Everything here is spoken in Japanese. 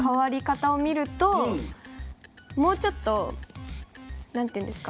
もうちょっと何て言うんですか？